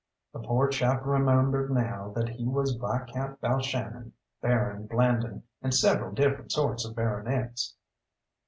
The poor chap remembered now that he was Viscount Balshannon, Baron Blandon, and several different sorts of baronets.